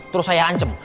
terus saya ancam